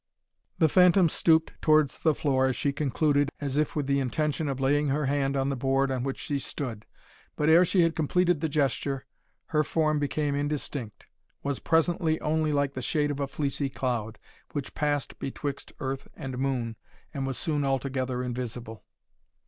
The phantom stooped towards the floor as she concluded, as if with the intention of laying her hand on the board on which she stood. But ere she had completed that gesture, her form became indistinct, was presently only like the shade of a fleecy cloud, which passed betwixt earth and the moon, and was soon altogether invisible.